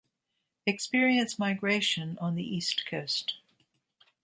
Experience migration on the east coast.